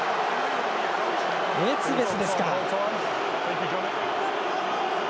エツベスですか。